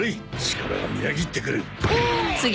力がみなぎってくる！トォ！